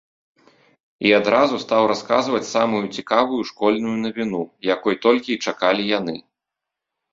І адразу стаў расказваць самую цікавую школьную навіну, якой толькі й чакалі яны.